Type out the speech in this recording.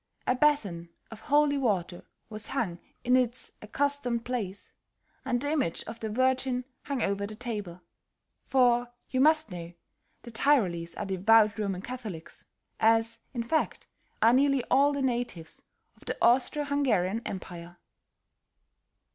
A basin of Holy Water was hung in its accustomed place, and the image of the Virgin hung over the table; for, you must know, the Tyrolese are devout Roman Catholics, as, in fact, are nearly all the natives of the Austro Hungarian Empire.